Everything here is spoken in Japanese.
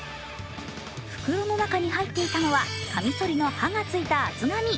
袋の中に入っていたのはカミソリの刃がついた厚紙。